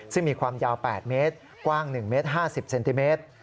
ซึ่งมีความยาว๘เมตรกว้าง๑เมตร๕๐เซนติเมตร